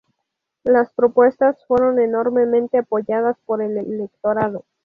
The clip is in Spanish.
Las propuestas fueron enormemente apoyadas por el electorado.